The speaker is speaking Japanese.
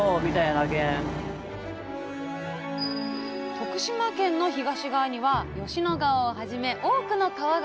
徳島県の東側には吉野川をはじめ多くの川があり